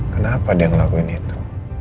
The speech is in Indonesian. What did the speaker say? kenapa dia ngelakuin itu